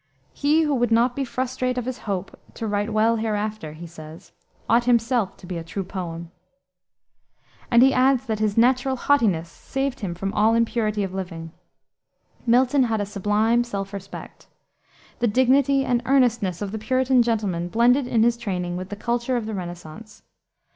"He who would not be frustrate of his hope to write well hereafter," he says, "ought himself to be a true poem." And he adds that his "natural haughtiness" saved him from all impurity of living. Milton had a sublime self respect. The dignity and earnestness of the Puritan gentleman blended in his training with the culture of the Renaissance.